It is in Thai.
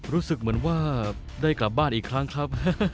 รู้สึกเหมือนว่าได้กลับบ้านอีกครั้งครับ